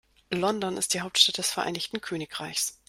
London ist die Hauptstadt des Vereinigten Königreichs.